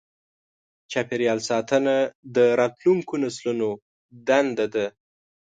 چاپېریال ساتنه د راتلونکو نسلونو دنده ده.